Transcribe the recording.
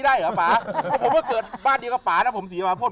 ดูแล้วข้อต้นเง่าปวดตายขอยังงิ้วตัวผมมันแปลวออกกับจ